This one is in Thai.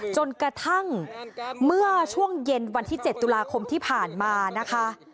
จนกระทั่งเมื่อช่วงเย็นวันที่๗ตุลาคมที่ผ่านมานะคะ